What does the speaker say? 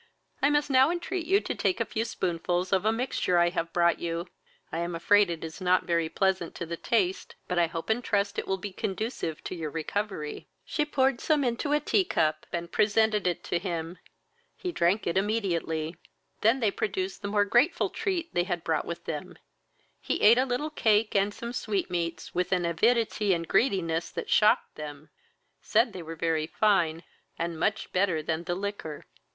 I must now entreat you to take a few spoonfuls of a mixture I have brought you. I am afraid it is not very pleasant to the taste, but I hope and trust it will be conducive to your recovery." She poured some into a tea cup, and presented it to him; he drank it immediately. They then produced the more grateful treat they had brought with them; he at a little cake, and some sweetmeats, with an avidity and greediness that shocked them, said they were very fine, and much better than the liquor.